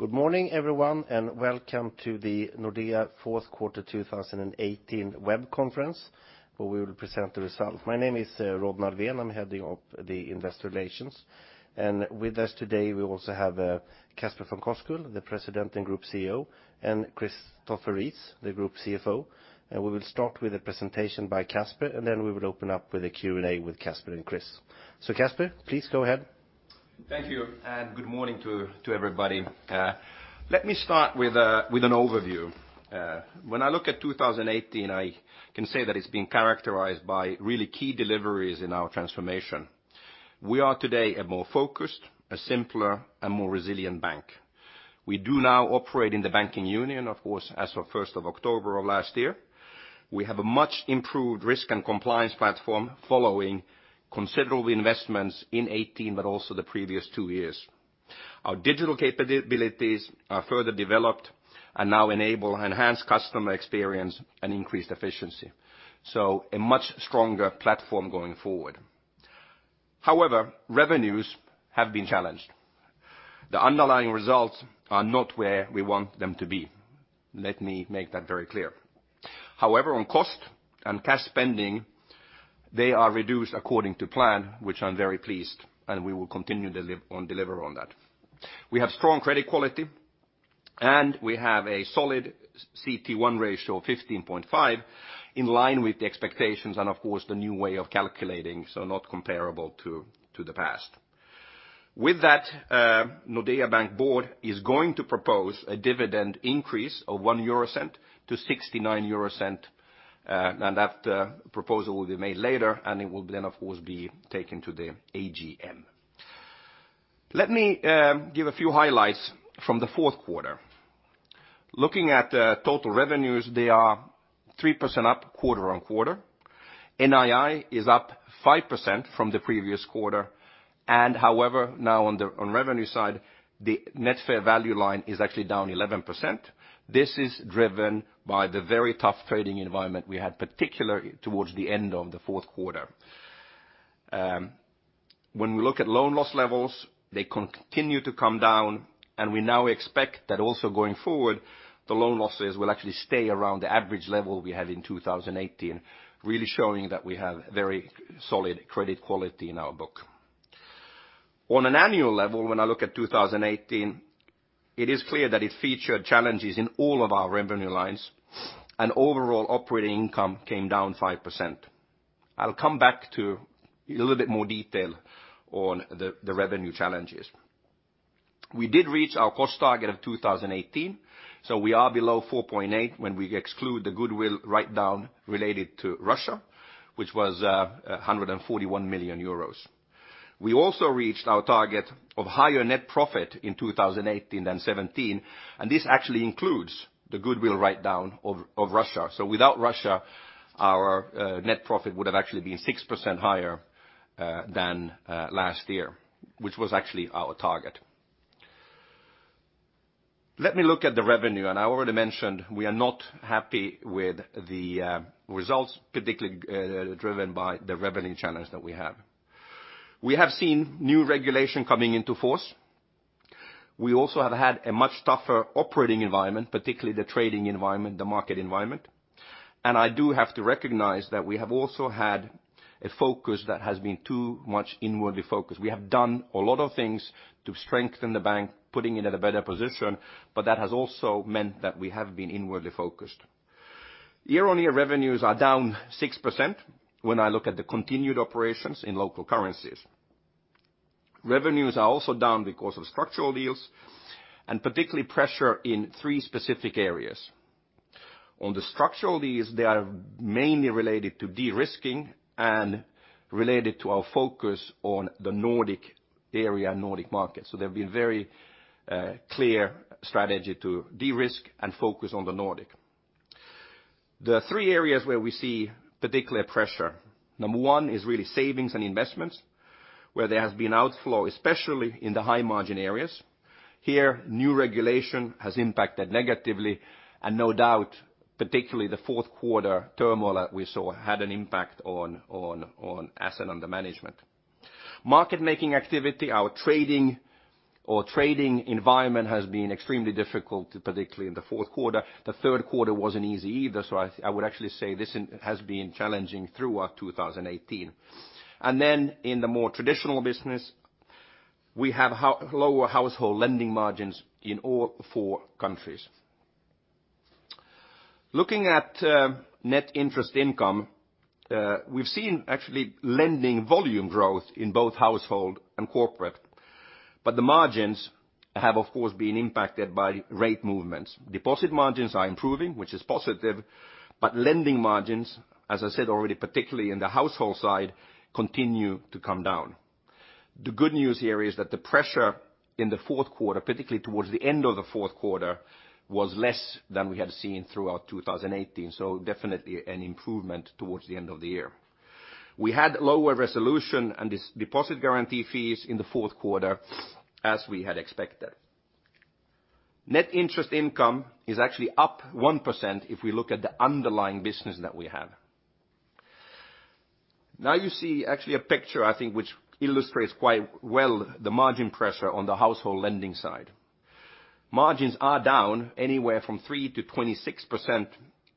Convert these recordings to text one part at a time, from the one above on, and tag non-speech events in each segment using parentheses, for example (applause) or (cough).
Good morning, everyone, welcome to the Nordea fourth quarter 2018 web conference, where we will present the results. My name is Rodney Alfvén. I am heading up the investor relations. With us today, we also have Casper von Koskull, the President and Group CEO, and Christopher Rees, the Group CFO. We will start with a presentation by Casper, then we will open up with a Q&A with Casper and Christopher. Casper, please go ahead. Thank you. Good morning to everybody. Let me start with an overview. When I look at 2018, I can say that it has been characterized by really key deliveries in our transformation. We are today a more focused, a simpler, and more resilient bank. We do now operate in the Banking Union, of course, as of 1st of October of last year. We have a much-improved risk and compliance platform following considerable investments in 2018, but also the previous two years. Our digital capabilities are further developed and now enable enhanced customer experience and increased efficiency. A much stronger platform going forward. However, revenues have been challenged. The underlying results are not where we want them to be. Let me make that very clear. However, on cost and cash spending, they are reduced according to plan, which I am very pleased, and we will continue on deliver on that. We have strong credit quality, and we have a solid Common Equity Tier 1 ratio of 15.5% in line with the expectations and, of course, the new way of calculating, so not comparable to the past. With that, Nordea Bank board is going to propose a dividend increase of 0.01 to 0.69, and that proposal will be made later, and it will then, of course, be taken to the AGM. Let me give a few highlights from the fourth quarter. Looking at total revenues, they are 3% up quarter-on-quarter. Net interest income is up 5% from the previous quarter. However, now on revenue side, the net fair value line is actually down 11%. This is driven by the very tough trading environment we had, particularly towards the end of the fourth quarter. When we look at loan loss levels, they continue to come down, and we now expect that also going forward, the loan losses will actually stay around the average level we had in 2018, really showing that we have very solid credit quality in our book. On an annual level, when I look at 2018, it is clear that it featured challenges in all of our revenue lines, and overall operating income came down 5%. I will come back to a little bit more detail on the revenue challenges. We did reach our cost target of 2018, so we are below 4.8% when we exclude the goodwill write-down related to Russia, which was 141 million euros. We also reached our target of higher net profit in 2018 than 2017, and this actually includes the goodwill write-down of Russia. Without Russia, our net profit would have actually been 6% higher than last year, which was actually our target. Let me look at the revenue. I already mentioned we are not happy with the results, particularly driven by the revenue challenge that we have. We have seen new regulation coming into force. We also have had a much tougher operating environment, particularly the trading environment, the market environment. I do have to recognize that we have also had a focus that has been too much inwardly focused. We have done a lot of things to strengthen the bank, putting it in a better position, but that has also meant that we have been inwardly focused. Year-on-year revenues are down 6% when I look at the continued operations in local currencies. Revenues are also down because of structural deals and particularly pressure in three specific areas. On the structural deals, they are mainly related to de-risking and related to our focus on the Nordic area and Nordic market. There have been very clear strategy to de-risk and focus on the Nordic. The three areas where we see particular pressure, number one is really savings and investments, where there has been outflow, especially in the high margin areas. Here, new regulation has impacted negatively, and no doubt, particularly the fourth quarter turmoil we saw had an impact on asset under management. Market making activity, our trading or trading environment has been extremely difficult, particularly in the fourth quarter. The third quarter wasn't easy either, I would actually say this has been challenging throughout 2018. Then in the more traditional business, we have lower household lending margins in all four countries. Looking at net interest income, we've seen actually lending volume growth in both household and corporate, but the margins have, of course, been impacted by rate movements. Deposit margins are improving, which is positive, but lending margins, as I said already, particularly in the household side, continue to come down. The good news here is that the pressure in the fourth quarter, particularly towards the end of the fourth quarter, was less than we had seen throughout 2018. Definitely an improvement towards the end of the year. We had lower resolution and deposit guarantee fees in the fourth quarter as we had expected. Net interest income is actually up 1% if we look at the underlying business that we have. You see actually a picture, I think, which illustrates quite well the margin pressure on the household lending side. Margins are down anywhere from 3%-26%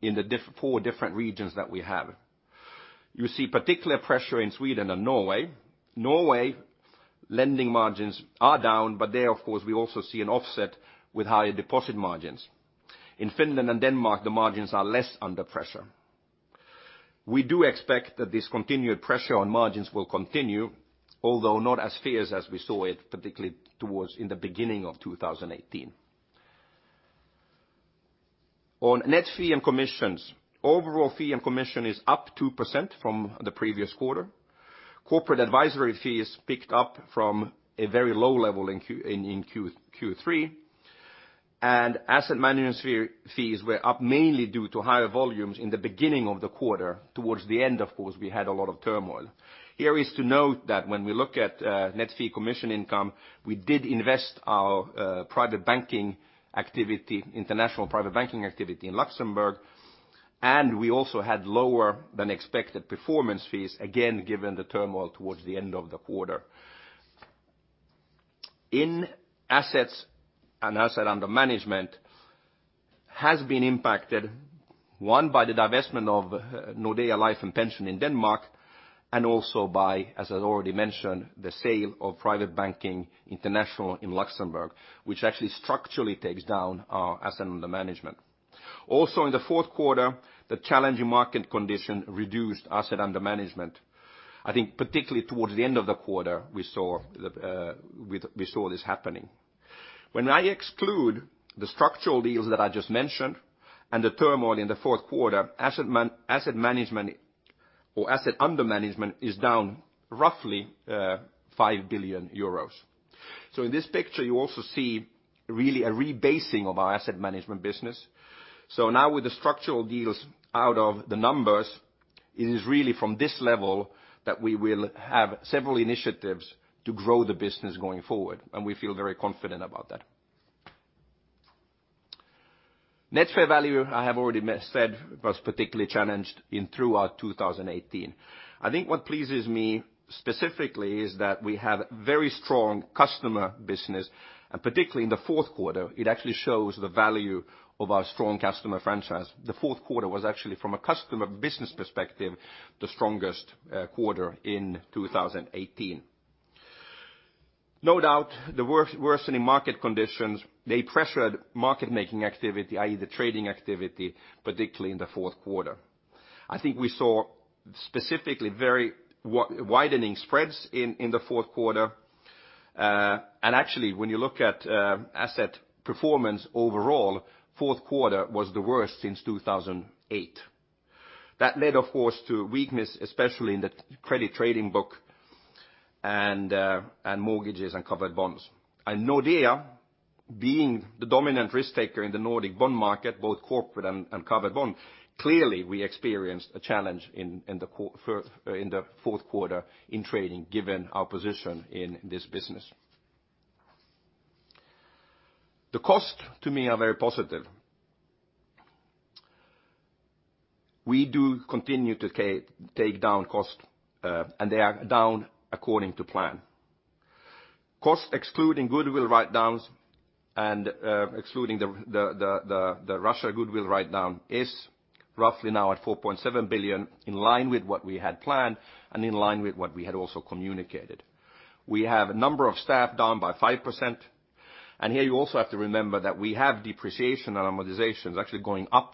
in the four different regions that we have. You see particular pressure in Sweden and Norway. Norway lending margins are down, but there, of course, we also see an offset with higher deposit margins. In Finland and Denmark, the margins are less under pressure. We do expect that this continued pressure on margins will continue, although not as fierce as we saw it, particularly towards in the beginning of 2018. On net fee and commissions, overall fee and commission is up 2% from the previous quarter. Corporate advisory fees picked up from a very low level in Q3. Asset management fees were up mainly due to higher volumes in the beginning of the quarter. Towards the end, of course, we had a lot of turmoil. Here is to note that when we look at net fee commission income, we did divest our international private banking activity in Luxembourg. We also had lower than expected performance fees, again, given the turmoil towards the end of the quarter. In assets and asset under management has been impacted, one, by the divestment of Nordea Life and Pension in Denmark, and also by, as I already mentioned, the sale of Private Banking International in Luxembourg, which actually structurally takes down our asset under management. Also, in the fourth quarter, the challenging market condition reduced asset under management. I think particularly towards the end of the quarter, we saw this happening. When I exclude the structural deals that I just mentioned and the turmoil in the fourth quarter, asset under management is down roughly 5 billion euros. In this picture, you also see really a rebasing of our asset management business. Now with the structural deals out of the numbers, it is really from this level that we will have several initiatives to grow the business going forward, and we feel very confident about that. Net fair value, I have already said, was particularly challenged throughout 2018. I think what pleases me specifically is that we have very strong customer business, and particularly in the fourth quarter, it actually shows the value of our strong customer franchise. The fourth quarter was actually, from a customer business perspective, the strongest quarter in 2018. No doubt, the worsening market conditions, they pressured market making activity, i.e. the trading activity, particularly in the fourth quarter. I think we saw specifically very widening spreads in the fourth quarter. Actually, when you look at asset performance overall, fourth quarter was the worst since 2008. That led, of course, to weakness, especially in the credit trading book and mortgages and covered bonds. Nordea, being the dominant risk taker in the Nordic bond market, both corporate and covered bond, clearly we experienced a challenge in the fourth quarter in trading, given our position in this business. The cost to me are very positive. We do continue to take down cost, and they are down according to plan. Cost, excluding goodwill write-downs and excluding the Russia goodwill write-down, is roughly now at 4.7 billion, in line with what we had planned and in line with what we had also communicated. We have a number of staff down by 5%. Here you also have to remember that we have depreciation and amortization is actually going up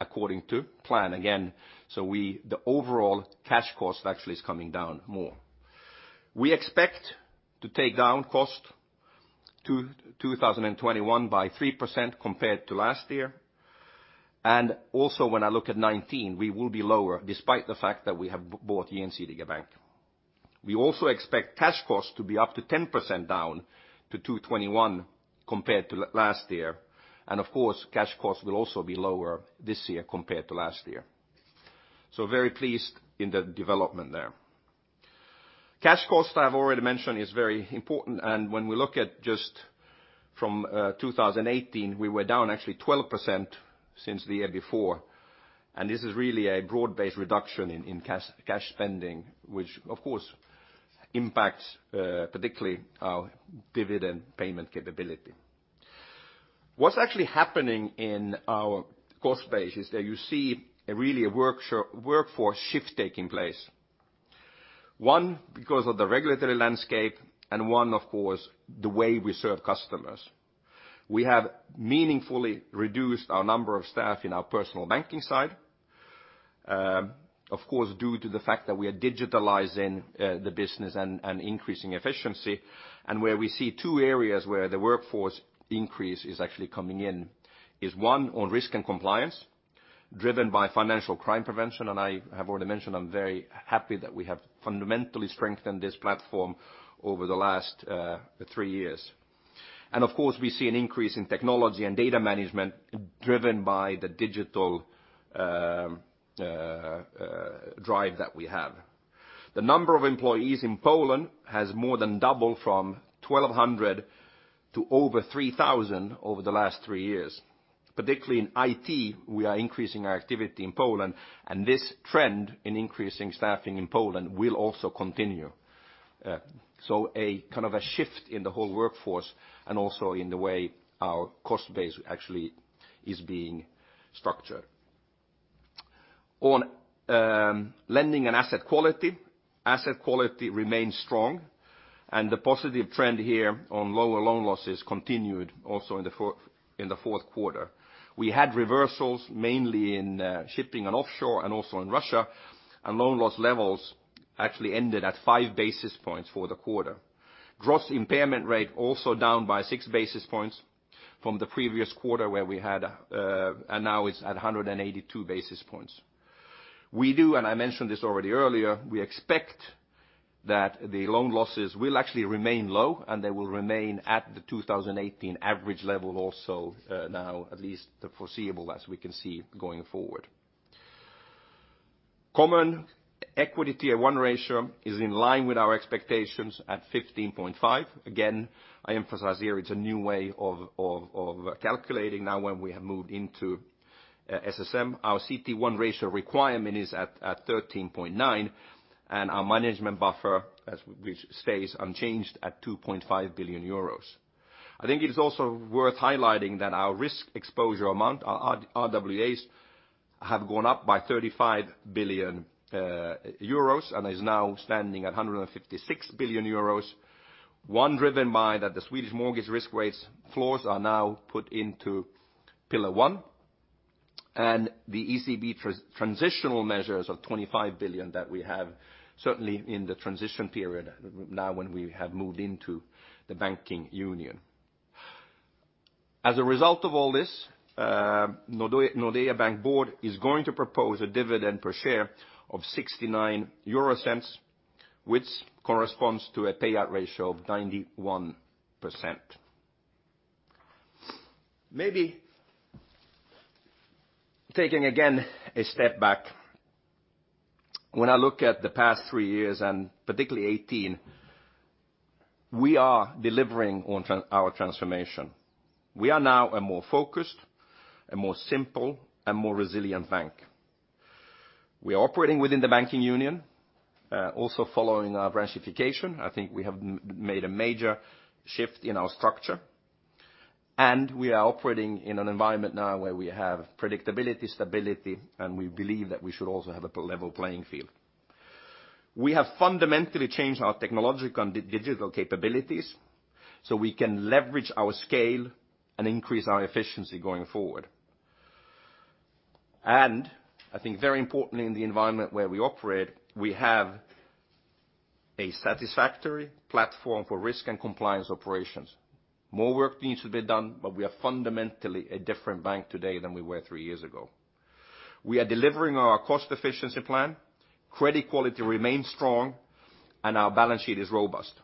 according to plan again. The overall cash cost actually is coming down more. We expect to take down cost to 2021 by 3% compared to last year. Also when I look at 2019, we will be lower despite the fact that we have bought DNB. We also expect cash costs to be up to 10% down to 2021 compared to last year. Of course, cash costs will also be lower this year compared to last year. Very pleased in the development there. Cash cost, I've already mentioned, is very important. When we look at just from 2018, we were down actually 12% since the year before. This is really a broad-based reduction in cash spending, which of course impacts particularly our dividend payment capability. What's actually happening in our cost base is that you see really a workforce shift taking place. One, because of the regulatory landscape, and one, of course, the way we serve customers. We have meaningfully reduced our number of staff in our personal banking side. Of course, due to the fact that we are digitalizing the business and increasing efficiency. Where we see two areas where the workforce increase is actually coming in is one on risk and compliance, driven by financial crime prevention. I have already mentioned I am very happy that we have fundamentally strengthened this platform over the last three years. Of course, we see an increase in technology and data management driven by the digital drive that we have. The number of employees in Poland has more than doubled from 1,200 to over 3,000 over the last three years. Particularly in IT, we are increasing our activity in Poland, and this trend in increasing staffing in Poland will also continue. A shift in the whole workforce, and also in the way our cost base actually is being structured. On lending and asset quality, asset quality remains strong, and the positive trend here on lower loan losses continued also in the fourth quarter. We had reversals mainly in shipping and offshore and also in Russia, and loan loss levels actually ended at five basis points for the quarter. Gross impairment rate also down by six basis points from the previous quarter, and now it's at 182 basis points. We do, and I mentioned this already earlier, we expect that the loan losses will actually remain low, and they will remain at the 2018 average level also now, at least the foreseeable, as we can see going forward. Common Equity Tier 1 ratio is in line with our expectations at 15.5%. Again, I emphasize here it's a new way of calculating now when we have moved into SSM. Our CET1 ratio requirement is at 13.9%, and our management buffer, which stays unchanged at 2.5 billion euros. I think it is also worth highlighting that our risk exposure amount, our risk-weighted assets, have gone up by 35 billion euros and is now standing at 156 billion euros, one driven by that the Swedish mortgage risk weights floors are now put into Pillar 1, and the European Central Bank transitional measures of 25 billion that we have certainly in the transition period now when we have moved into the Banking Union. As a result of all this, Nordea Bank board is going to propose a dividend per share of 0.69, which corresponds to a payout ratio of 91%. Maybe taking again a step back, when I look at the past three years, and particularly 2018, we are delivering on our transformation. We are now a more focused, a more simple, and more resilient bank. We are operating within the Banking Union, also following our branchification. I think we have made a major shift in our structure. We are operating in an environment now where we have predictability, stability, and we believe that we should also have a level playing field. We have fundamentally changed our technological and digital capabilities so we can leverage our scale and increase our efficiency going forward. I think very importantly in the environment where we operate, we have a satisfactory platform for risk and compliance operations. More work needs to be done, but we are fundamentally a different bank today than we were three years ago. We are delivering our cost efficiency plan. Credit quality remains strong, and our balance sheet is robust.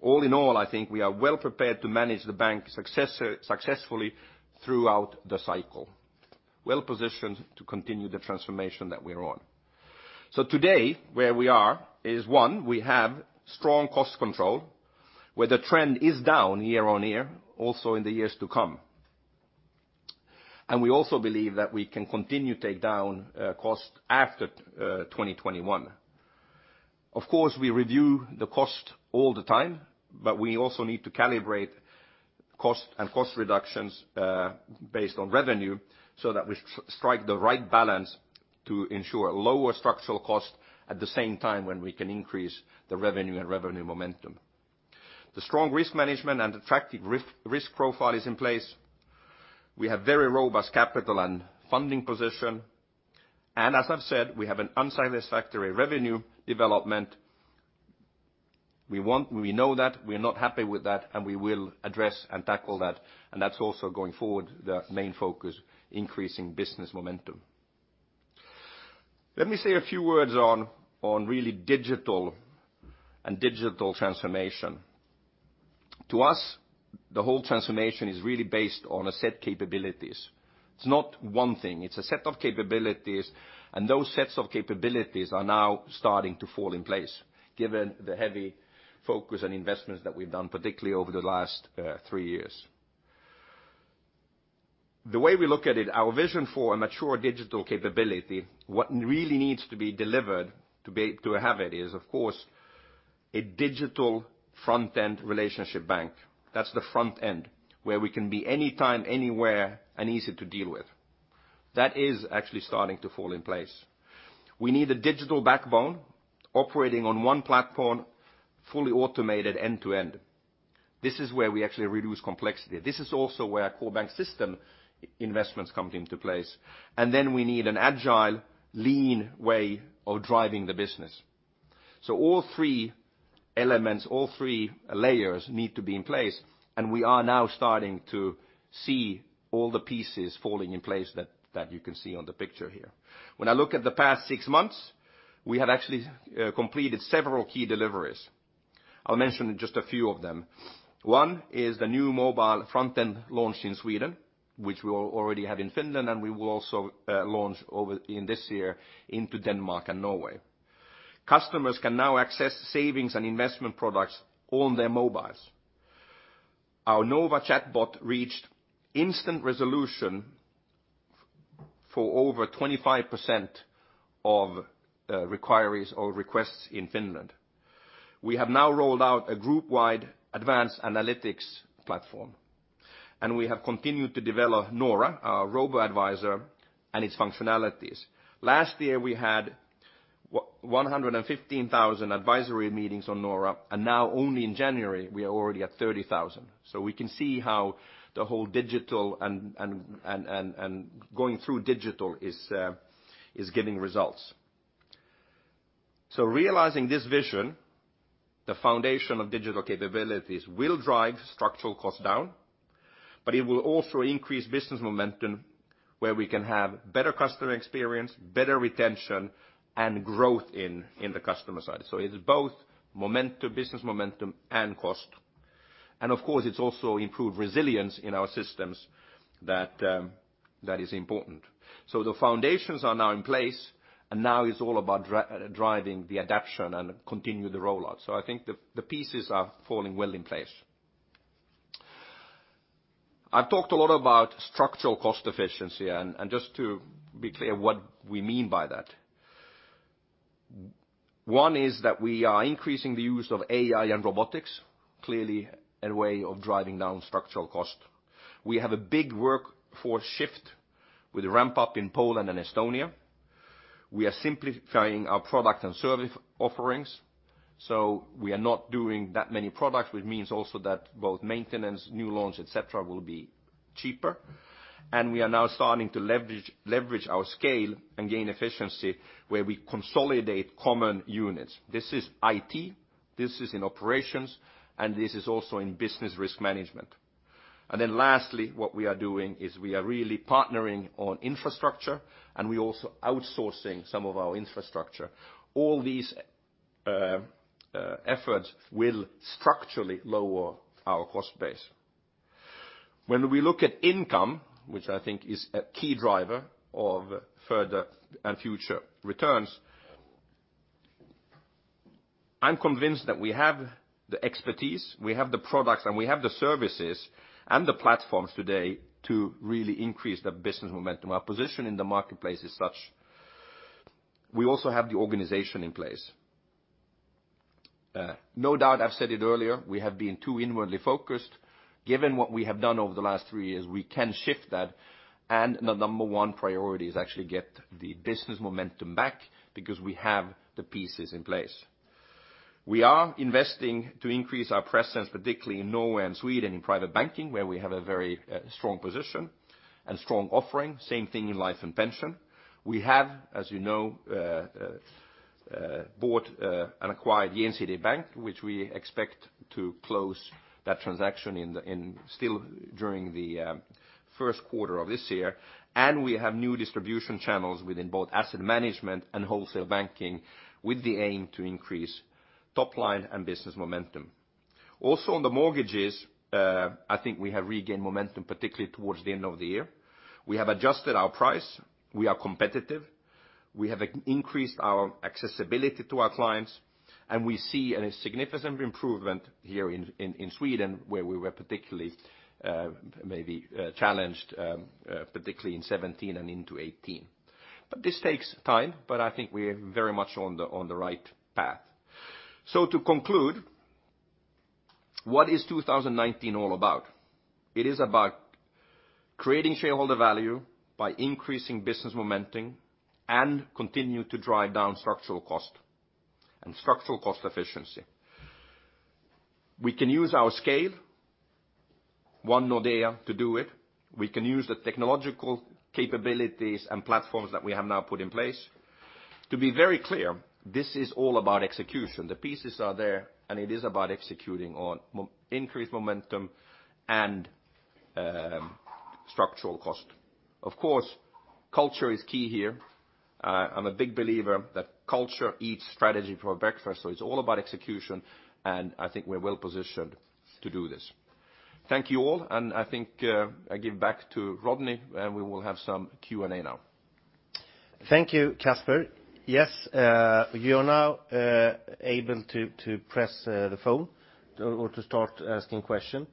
All in all, I think we are well prepared to manage the bank successfully throughout the cycle, well-positioned to continue the transformation that we're on. Today, where we are is, one, we have strong cost control, where the trend is down year-over-year, also in the years to come. We also believe that we can continue to take down cost after 2021. Of course, we review the cost all the time, but we also need to calibrate cost and cost reductions based on revenue so that we strike the right balance to ensure lower structural cost at the same time when we can increase the revenue and revenue momentum. The strong risk management and attractive risk profile is in place. We have very robust capital and funding position. As I've said, we have an unsatisfactory revenue development. We know that. We're not happy with that, and we will address and tackle that. That's also going forward, the main focus, increasing business momentum. Let me say a few words on really digital and digital transformation. To us, the whole transformation is really based on a set capabilities. It's not one thing. It's a set of capabilities, and those sets of capabilities are now starting to fall in place given the heavy focus on investments that we've done, particularly over the last three years. The way we look at it, our vision for a mature digital capability, what really needs to be delivered to have it is, of course, a digital front-end relationship bank. That's the front end where we can be anytime, anywhere, and easy to deal with. That is actually starting to fall in place. We need a digital backbone operating on one platform, fully automated end to end. This is where we actually reduce complexity. This is also where our core bank system investments come into place. Then we need an agile, lean way of driving the business. All three elements, all three layers need to be in place, and we are now starting to see all the pieces falling in place that you can see on the picture here. When I look at the past six months, we have actually completed several key deliveries. I'll mention just a few of them. One is the new mobile front end launch in Sweden, which we already have in Finland, and we will also launch in this year into Denmark and Norway. Customers can now access savings and investment products on their mobiles. Our Nova chatbot reached instant resolution for over 25% of inquiries or requests in Finland. We have now rolled out a group-wide advanced analytics platform, and we have continued to develop Nora, our robo-advisor, and its functionalities. Last year, we had 115,000 advisory meetings on Nora, and now only in January, we are already at 30,000. We can see how the whole digital and going through digital is giving results. Realizing this vision, the foundation of digital capabilities will drive structural costs down, but it will also increase business momentum where we can have better customer experience, better retention, and growth in the customer side. It is both business momentum and cost. Of course, it's also improved resilience in our systems that is important. The foundations are now in place, and now it's all about driving the adaption and continue the rollout. I think the pieces are falling well in place. I've talked a lot about structural cost efficiency, and just to be clear what we mean by that. One is that we are increasing the use of AI and robotics, clearly a way of driving down structural cost. We have a big workforce shift with ramp-up in Poland and Estonia. We are simplifying our product and service offerings. We are not doing that many products, which means also that both maintenance, new launch, et cetera, will be cheaper. We are now starting to leverage our scale and gain efficiency where we consolidate common units. This is IT, this is in operations, and this is also in business risk management. Lastly, what we are doing is we are really partnering on infrastructure, and we also outsourcing some of our infrastructure. All these efforts will structurally lower our cost base. When we look at income, which I think is a key driver of further and future returns, I'm convinced that we have the expertise, we have the products, and we have the services and the platforms today to really increase the business momentum. Our position in the marketplace is such. We also have the organization in place. No doubt, I've said it earlier, we have been too inwardly focused. Given what we have done over the last three years, we can shift that, and the number one priority is actually get the business momentum back because we have the pieces in place. We are investing to increase our presence, particularly in Norway and Sweden in Private Banking, where we have a very strong position and strong offering. Same thing in Life and Pension. We have, as you know, bought and acquired the Gjensidige Bank, which we expect to close that transaction still during the first quarter of this year. We have new distribution channels within both asset management and wholesale banking with the aim to increase top line and business momentum. Also on the mortgages, I think we have regained momentum, particularly towards the end of the year. We have adjusted our price. We are competitive. We have increased our accessibility to our clients, and we see a significant improvement here in Sweden, where we were particularly maybe challenged, particularly in 2017 and into 2018. This takes time, but I think we're very much on the right path. To conclude, what is 2019 all about? It is about creating shareholder value by increasing business momentum and continue to drive down structural cost and structural cost efficiency. We can use our scale, One Nordea, to do it. We can use the technological capabilities and platforms that we have now put in place. To be very clear, this is all about execution. The pieces are there, and it is about executing on increased momentum and structural cost. Of course, culture is key here. I'm a big believer that culture eats strategy for breakfast, so it's all about execution, and I think we're well-positioned to do this. Thank you all. I think I give back to Rodney, and we will have some Q&A now. Thank you, Casper. Yes, you are now able to press the phone or to start asking question.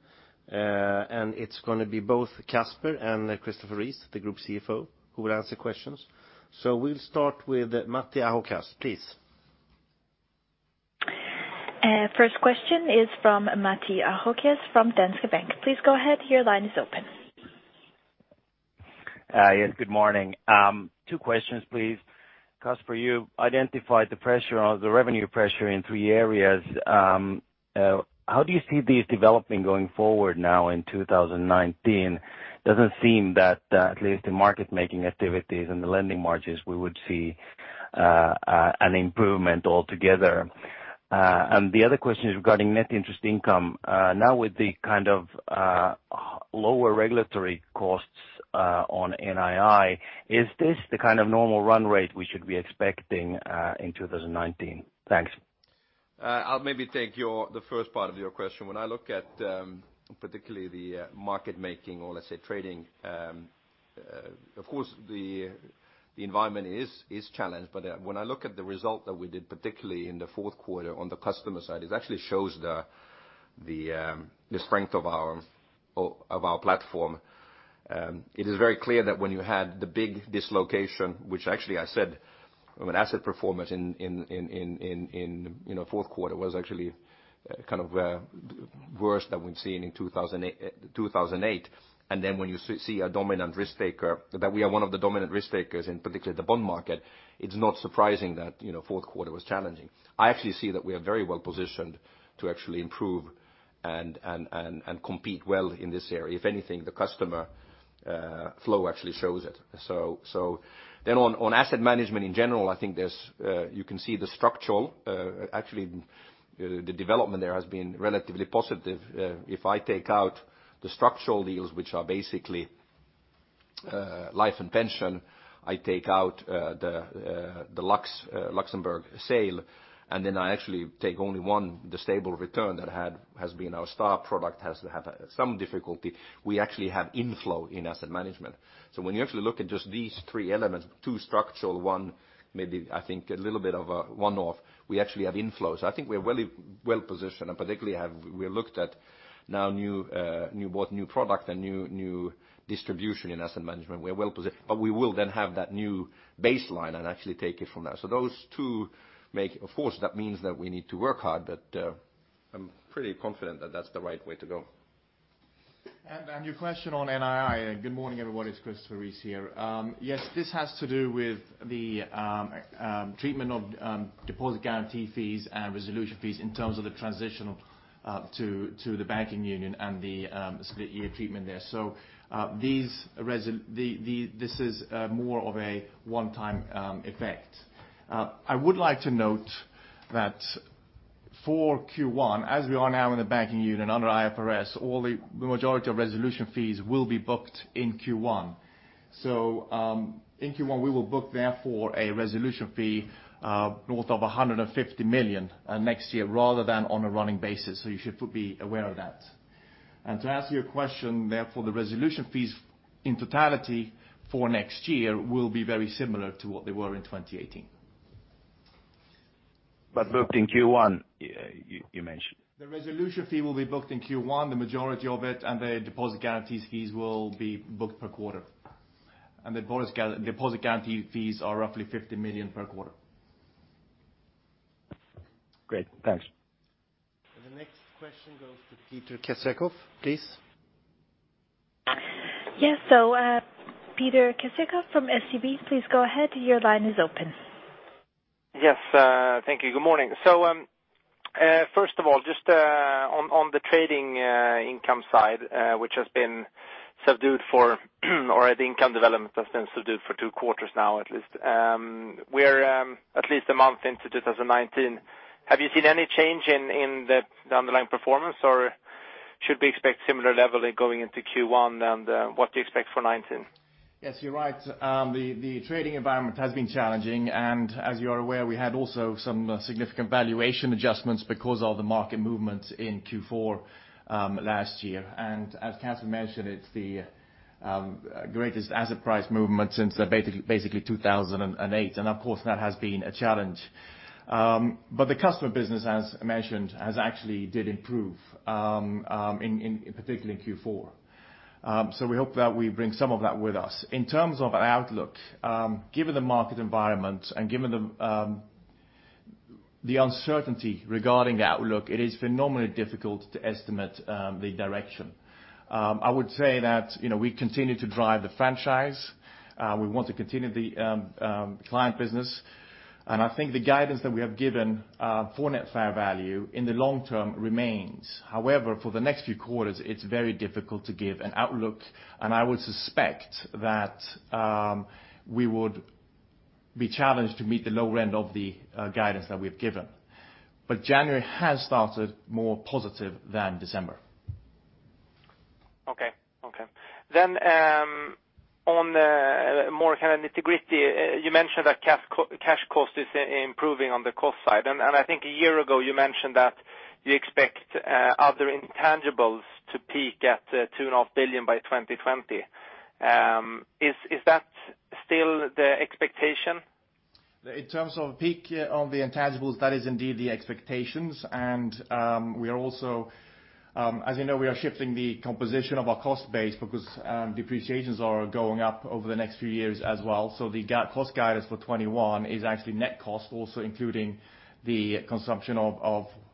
It's going to be both Casper and Christopher Rees, the Group CFO, who will answer questions. We'll start with Matti Ahokas, please. First question is from Matti Ahokas from Danske Bank. Please go ahead, your line is open. Yes, good morning. Two questions, please. Casper, you identified the revenue pressure in three areas. How do you see these developing going forward now in 2019? Doesn't seem that, at least in market making activities and the lending margins, we would see an improvement altogether. The other question is regarding net interest income. Now with the lower regulatory costs on NII, is this the kind of normal run rate we should be expecting in 2019? Thanks. I'll maybe take the first part of your question. When I look at particularly the market making or let's say trading, of course, the environment is challenged. When I look at the result that we did, particularly in the fourth quarter on the customer side, it actually shows the strength of our platform. It is very clear that when you had the big dislocation, which actually I said an asset performance in fourth quarter was actually worse than we'd seen in 2008. When you see a dominant risk-taker, that we are one of the dominant risk-takers in particularly the bond market, it's not surprising that fourth quarter was challenging. I actually see that we are very well-positioned to actually improve and compete well in this area. If anything, the customer flow actually shows it. On asset management in general, I think you can see the structural. Actually, the development there has been relatively positive. If I take out the structural deals, which are basically life and pension, I take out the Luxembourg sale, and then I actually take only one, the Stable Return Fund that has been our star product has had some difficulty. We actually have inflow in asset management. When you actually look at just these three elements, two structural, one maybe I think a little bit of a one-off, we actually have inflows. I think we're well positioned, and particularly we looked at now both new product and new distribution in asset management. We are well-positioned. We will then have that new baseline and actually take it from there. Those two make a force. That means that we need to work hard, but I'm pretty confident that that's the right way to go. Your question on NII. Good morning, everyone. It's Christopher Rees here. Yes, this has to do with the treatment of deposit guarantee fees and resolution fees in terms of the transition to the Banking Union and the split year treatment there. This is more of a one-time effect. I would like to note that for Q1, as we are now in the Banking Union under IFRS, the majority of resolution fees will be booked in Q1. In Q1, we will book therefore a resolution fee north of 150 million next year rather than on a running basis, so you should be aware of that. To answer your question, therefore, the resolution fees in totality for next year will be very similar to what they were in 2018. Booked in Q1, you mentioned? The resolution fee will be booked in Q1, the majority of it, the deposit guarantees fees will be booked per quarter. The deposit guarantee fees are roughly 15 million per quarter. Great. Thanks. The next question goes to Petar Kazakov, please. Yes. Petar Kazakov from UBS, please go ahead. Your line is open. Yes. Thank you. Good morning. First of all, just on the trading income side, which has been subdued for or the income development has been subdued for two quarters now at least. We're at least a month into 2019. Have you seen any change in the underlying performance, or should we expect similar level going into Q1, and what do you expect for 2019? Yes, you're right. The trading environment has been challenging. As you are aware, we had also some significant valuation adjustments because of the market movement in Q4 last year. As Casper mentioned, it's the greatest asset price movement since basically 2008. Of course, that has been a challenge. The customer business, as mentioned, has actually did improve particularly in Q4. We hope that we bring some of that with us. In terms of our outlook, given the market environment and given the uncertainty regarding the outlook, it is phenomenally difficult to estimate the direction. I would say that we continue to drive the franchise. We want to continue the client business, and I think the guidance that we have given for net fair value in the long term remains. However, for the next few quarters, it's very difficult to give an outlook, and I would suspect that we would be challenged to meet the lower end of the guidance that we have given. January has started more positive than December. Okay. On more kind of nitty-gritty, you mentioned that cash cost is improving on the cost side. I think a year ago, you mentioned that you expect other intangibles to peak at 2.5 billion by 2020. Is that still the expectation? In terms of peak on the intangibles, that is indeed the expectations. As you know, we are shifting the composition of our cost base because depreciations are going up over the next few years as well. The cost guidance for 2021 is actually net cost, also including the absorption of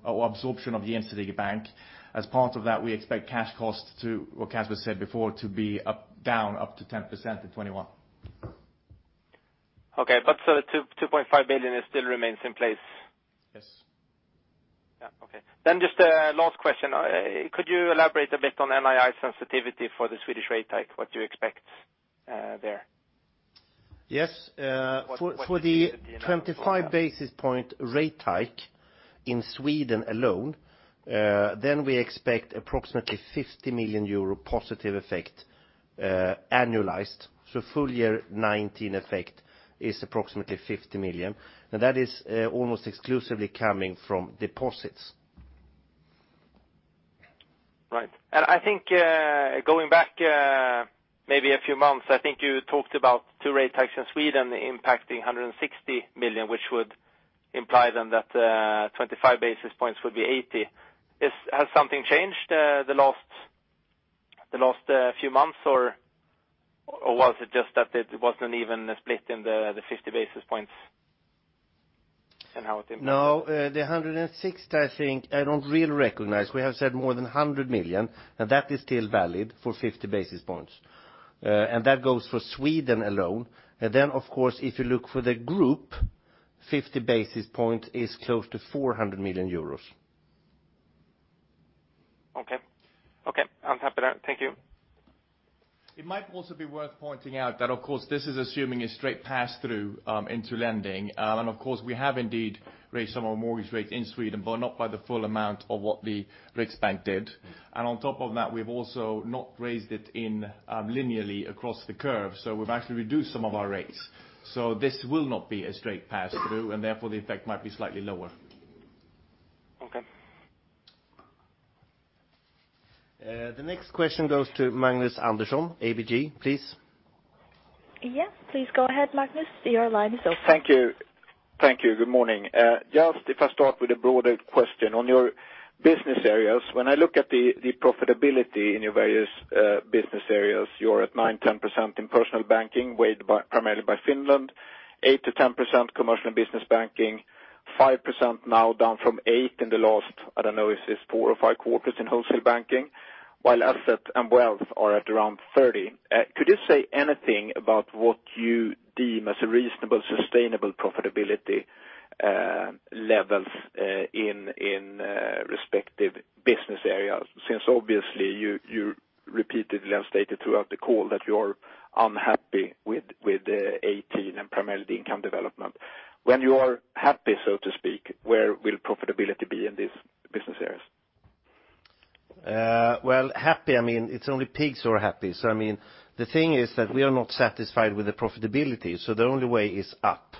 the Gjensidige Bank. As part of that, we expect cash costs to, what Casper said before, to be down up to 10% in 2021. Okay. 2.5 billion still remains in place. Yes. Yeah. Okay. Just a last question. Could you elaborate a bit on NII sensitivity for the Swedish rate hike, what you expect there? Yes. 25 basis points rate hike in Sweden alone, we expect approximately 50 million euro positive effect annualized. Full year 2019 effect is approximately 50 million, and that is almost exclusively coming from deposits. I think going back maybe a few months, I think you talked about two rate hikes in Sweden impacting 160 million, which would imply that 25 basis points would be 80 million. Has something changed the last few months, or was it just that it wasn't even split in the 50 basis points and how it's implemented? The 160 million, I think I don't really recognize. We have said more than 100 million, and that is still valid for 50 basis points. Of course, if you look for the group, 50 basis points is close to 400 million euros. Okay. I'm happy there. Thank you. It might also be worth pointing out that, of course, this is assuming a straight pass-through into lending. Of course, we have indeed raised some of our mortgage rates in Sweden, but not by the full amount of what the Riksbank did. On top of that, we've also not raised it in linearly across the curve, we've actually reduced some of our rates. This will not be a straight pass-through, and therefore the effect might be slightly lower. Okay. The next question goes to Magnus Andersson, ABG Sundal Collier, please. Yes, please go ahead, Magnus. Your line is open. Thank you. Good morning. If I start with a broader question. On your business areas, when I look at the profitability in your various business areas, you're at 9, 10% in personal banking, weighed primarily by Finland, 8%-10% commercial and business banking, 5% now down from 8% in the last, I don't know if it's four or five quarters in wholesale banking, while asset and wealth are at around 30. Could you say anything about what you deem as reasonable, sustainable profitability levels in respective business areas? Obviously you repeatedly have stated throughout the call that you are unhappy with 2018 and primarily the income development. When you are happy, so to speak, where will profitability be in these business areas? Happy, it's only pigs who are happy. The thing is that we are not satisfied with the profitability, so the only way is up.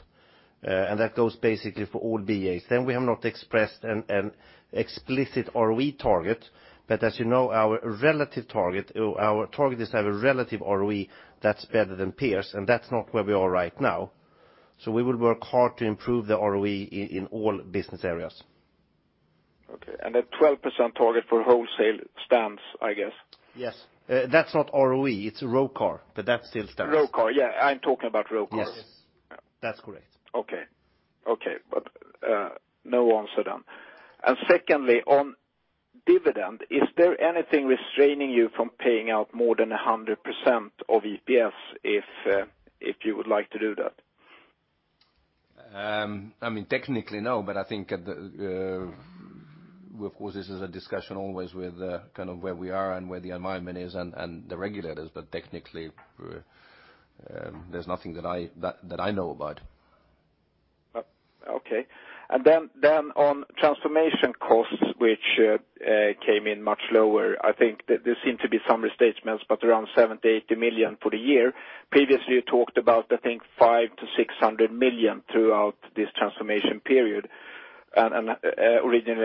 That goes basically for all business areas. We have not expressed an explicit return on equity target, but as you know, our target is to have a relative ROE that's better than peers, and that's not where we are right now. We will work hard to improve the ROE in all business areas. Okay. The 12% target for wholesale stands, I guess. Yes. That's not ROE, it's return on capital at risk, but that still stands. ROCAR, yeah. I am talking about ROCAR. Yes. That's correct. Okay. No answer then. Secondly, on dividend, is there anything restraining you from paying out more than 100% of EPS if you would like to do that? Technically, no, I think, of course, this is a discussion always with where we are and where the environment is and the regulators. Technically, there's nothing that I know about. Okay. On transformation costs, which came in much lower, I think there seem to be some restatements, but around 70 million-80 million for the year. Previously, you talked about, I think, 500 million-600 million throughout this transformation period. Originally 150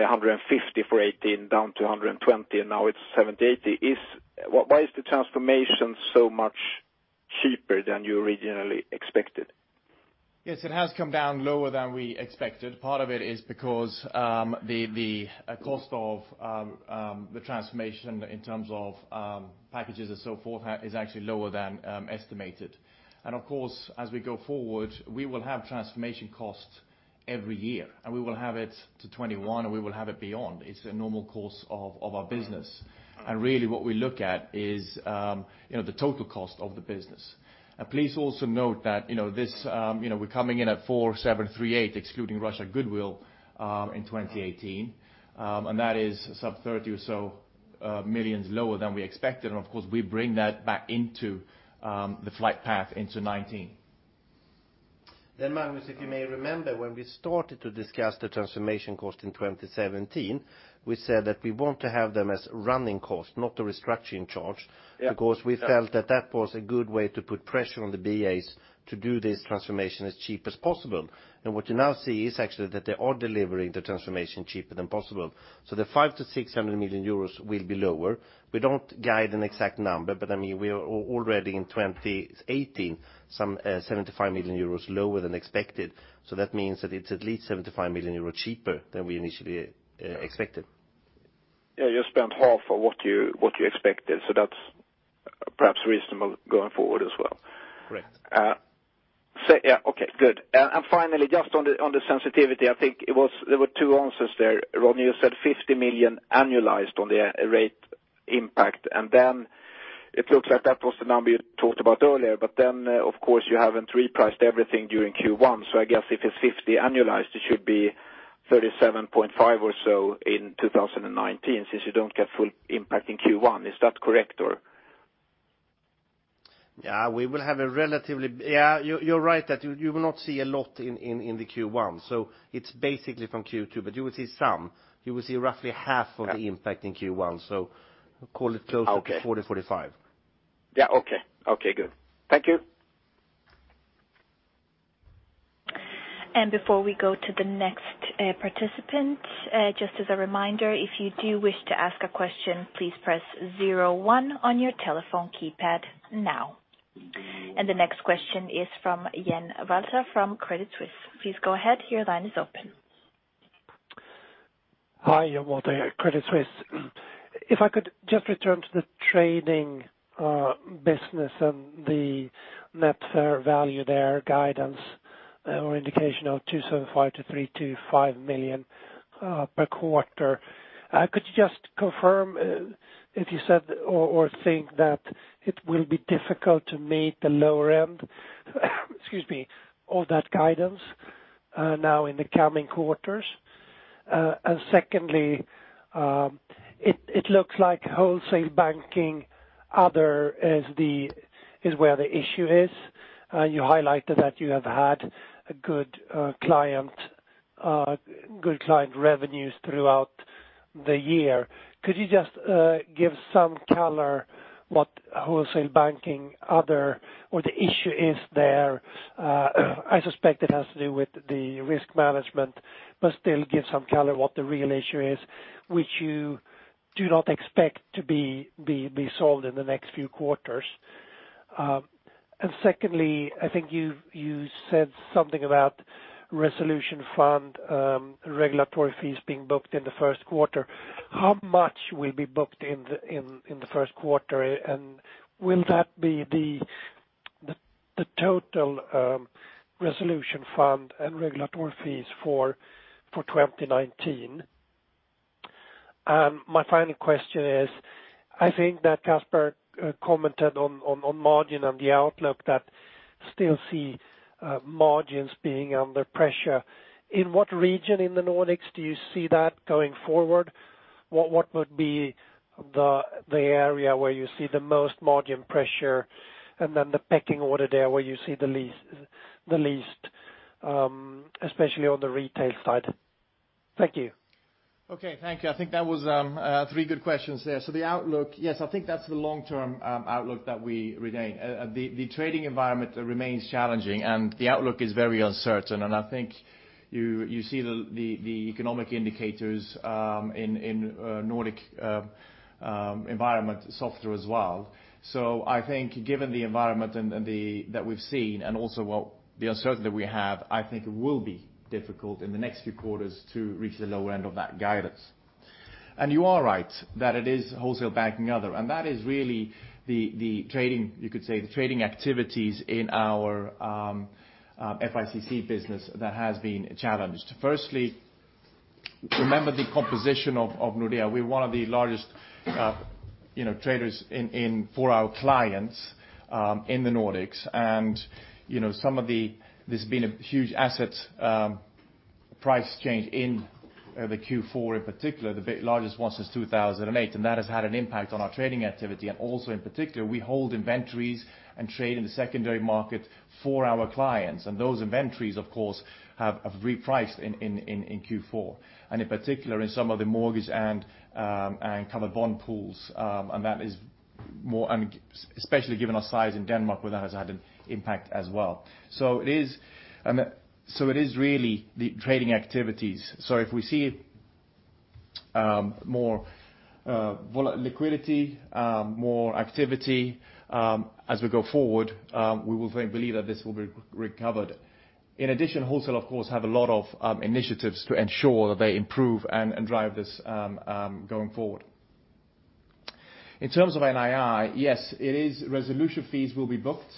million for 2018, down to 120 million, and now it's 70 million-80 million. Why is the transformation so much cheaper than you originally expected? Yes, it has come down lower than we expected. Part of it is because the cost of the transformation in terms of packages and so forth is actually lower than estimated. Of course, as we go forward, we will have transformation costs every year, and we will have it to 2021, and we will have it beyond. It's a normal course of our business. Really what we look at is the total cost of the business. Please also note that we're coming in at 4,738 million, excluding Russia goodwill in 2018. That is sub 30 million or so lower than we expected. Of course, we bring that back into the flight path into 2019. Magnus, if you may remember, when we started to discuss the transformation cost in 2017, we said that we want to have them as running costs, not a restructuring charge (crosstalk) because we felt that that was a good way to put pressure on the BAs to do this transformation as cheap as possible. What you now see is actually that they are delivering the transformation cheaper than possible. The 500 million-600 million euros will be lower. We don't guide an exact number, but we are already in 2018 some 75 million euros lower than expected. That means that it's at least 75 million euros cheaper than we initially expected. Yeah, you spent half of what you expected, that's perhaps reasonable going forward as well. Correct. Okay, good. Finally, just on the sensitivity, I think there were two answers there. Rodney, you said 50 million annualized on the rate impact, it looks like that was the number you talked about earlier. Of course, you haven't repriced everything during Q1, I guess if it's 50 annualized, it should be 37.5 or so in 2019, since you don't get full impact in Q1. Is that correct? Yeah, you're right that you will not see a lot in the Q1. It's basically from Q2. You will see some. You will see roughly half of the impact in Q1, call it closer to 40, 45. Yeah, okay. Good. Thank you. Before we go to the next participant, just as a reminder, if you do wish to ask a question, please press zero one on your telephone keypad now. The next question is from Jan Wolter from Credit Suisse. Please go ahead. Your line is open. Hi, Jan Wolter, Credit Suisse. If I could just return to the trading business and the net fair value there, guidance or indication of 275 million-325 million per quarter. Could you just confirm if you said or think that it will be difficult to meet the lower end, excuse me, of that guidance now in the coming quarters? Secondly, it looks like wholesale banking other is where the issue is. You highlighted that you have had good client revenues throughout the year. Could you just give some color what wholesale banking other, or the issue is there? I suspect it has to do with the risk management, but still give some color what the real issue is, which you do not expect to be solved in the next few quarters. Secondly, I think you said something about resolution fund regulatory fees being booked in the first quarter. How much will be booked in the first quarter? Will that be the total resolution fund and regulatory fees for 2019? My final question is, I think that Casper commented on margin on the outlook that still see margins being under pressure. In what region in the Nordics do you see that going forward? What would be the area where you see the most margin pressure? Then the pecking order there, where you see the least, especially on the retail side. Thank you. Okay, thank you. I think that was three good questions there. The outlook, yes, I think that's the long-term outlook that we retain. The trading environment remains challenging, and the outlook is very uncertain, and I think you see the economic indicators in Nordic environment softer as well. I think given the environment that we've seen and also the uncertainty that we have, I think it will be difficult in the next few quarters to reach the lower end of that guidance. You are right that it is wholesale banking other, and that is really the trading, you could say, the trading activities in our fixed income, currencies, and commodities business that has been challenged. Firstly, remember the composition of Nordea. We're one of the largest traders for our clients in the Nordics. There's been a huge asset price change in the Q4, in particular, the largest one since 2008, that has had an impact on our trading activity. Also in particular, we hold inventories and trade in the secondary market for our clients. Those inventories, of course, have repriced in Q4, in particular in some of the mortgage and covered bond pools. Especially given our size in Denmark, that has had an impact as well. It is really the trading activities. If we see more liquidity, more activity as we go forward, we believe that this will be recovered. In addition, wholesale, of course, have a lot of initiatives to ensure that they improve and drive this going forward. In terms of NII, yes, resolution fees will be booked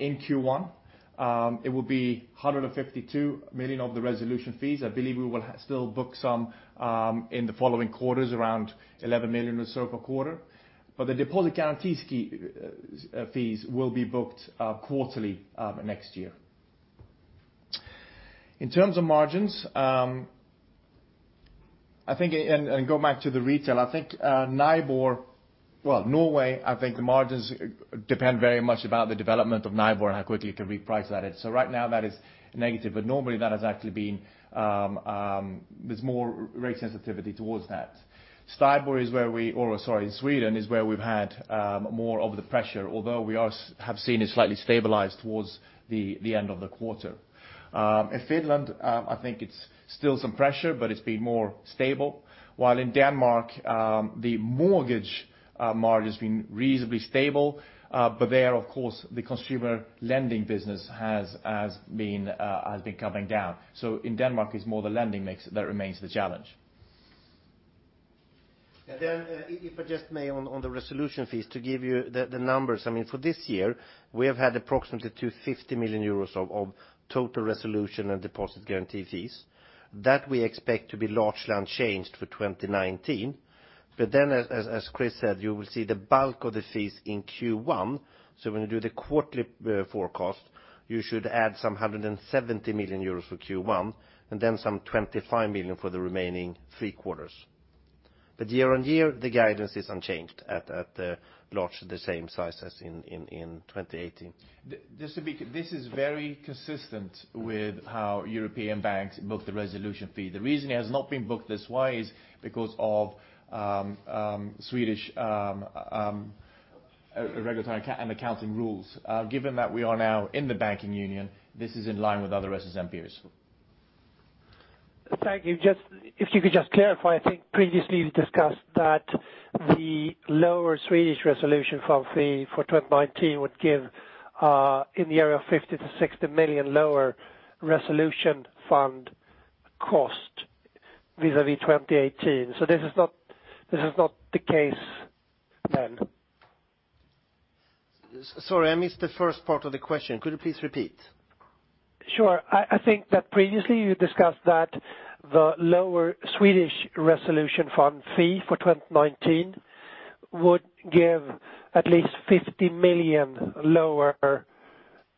in Q1. It will be 152 million of the resolution fees. I believe we will still book some in the following quarters, around 11 million or so per quarter. The deposit guarantee fees will be booked quarterly next year. In terms of margins, go back to the retail, I think Norwegian interbank offered rate, well, Norway, I think the margins depend very much about the development of NIBOR and how quickly you can reprice that. Right now that is negative, but normally there's more rate sensitivity towards that. Stockholm interbank offered rate is where we, or sorry, Sweden is where we've had more of the pressure, although we have seen it slightly stabilized towards the end of the quarter. In Finland, I think it's still some pressure, but it's been more stable. While in Denmark, the mortgage margin has been reasonably stable. There, of course, the consumer lending business has been coming down. In Denmark, it's more the lending that remains the challenge. If I just may, on the resolution fees, to give you the numbers. For this year, we have had approximately 250 million euros of total resolution and deposit guarantee fees. That we expect to be largely unchanged for 2019. As Chris said, you will see the bulk of the fees in Q1. When you do the quarterly forecast, you should add some 170 million euros for Q1, some 25 million for the remaining three quarters. Year on year, the guidance is unchanged at large, the same size as in 2018. This is very consistent with how European banks book the resolution fee. The reason it has not been booked this way is because of Swedish Regulatory and accounting rules. Given that we are now in the Banking Union, this is in line with other SSM peers. Thank you. If you could just clarify, I think previously you discussed that the lower Swedish resolution fund fee for 2019 would give in the area of 50 million-60 million lower resolution fund cost vis-à-vis 2018. This is not the case then? Sorry, I missed the first part of the question. Could you please repeat? Sure. I think that previously you discussed that the lower Swedish resolution fund fee for 2019 would give at least 50 million lower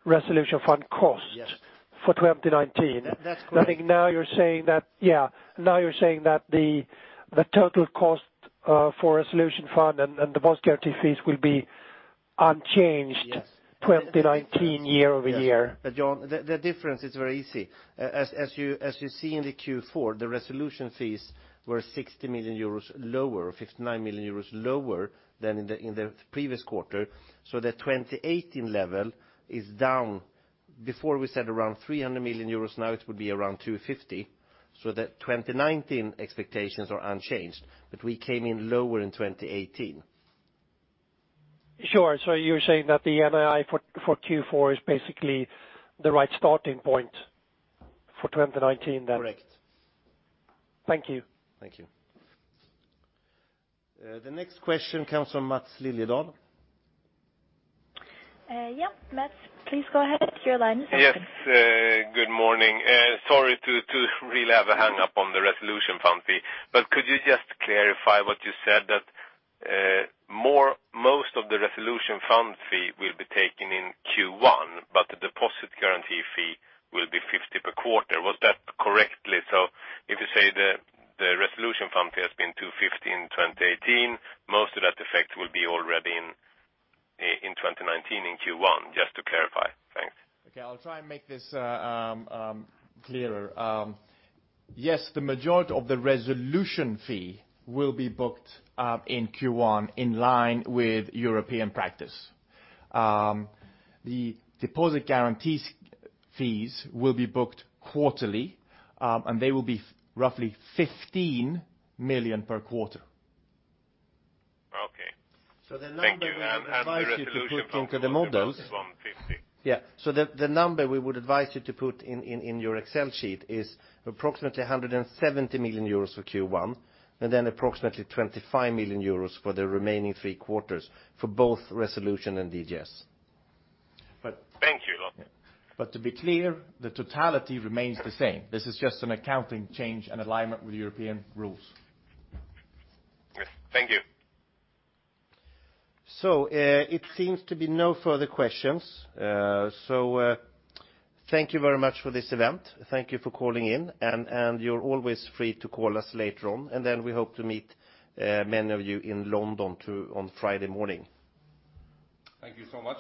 resolution fund costs (crosstalk) for 2019. That's correct. I think now you're saying that the total cost for resolution fund and the bond guarantee fees will be unchanged 2019 year-over-year. Jan, the difference is very easy. As you see in the Q4, the resolution fees were 60 million euros lower, 59 million euros lower than in the previous quarter. The 2018 level is down. Before we said around 300 million euros, now it would be around 250 million. The 2019 expectations are unchanged, we came in lower in 2018. Sure. You're saying that the NII for Q4 is basically the right starting point for 2019 then? Correct. Thank you. Thank you. The next question comes from Maths Liljedahl. Yeah. Maths, please go ahead. Your line is open. Yes. Good morning. Sorry to really have a hang-up on the resolution fund fee, could you just clarify what you said, that most of the resolution fund fee will be taken in Q1, the deposit guarantee fee will be 50 per quarter. Was that correctly? If you say the resolution fund fee has been 250 in 2018, most of that effect will be already in 2019 in Q1. Just to clarify. Thanks. Okay. I'll try and make this clearer. Yes, the majority of the resolution fee will be booked in Q1 in line with European practice. The deposit guarantees fees will be booked quarterly, they will be roughly 15 million per quarter. Okay. Thank you. The resolution fund will be about EUR 150? Yeah. The number we would advise you to put in your Excel sheet is approximately 170 million euros for Q1, approximately 25 million euros for the remaining three quarters for both resolution and deposit guarantee scheme. Thank you. To be clear, the totality remains the same. This is just an accounting change and alignment with European rules. Yes. Thank you. It seems to be no further questions. Thank you very much for this event. Thank you for calling in. You're always free to call us later on, and then we hope to meet many of you in London on Friday morning. Thank you so much.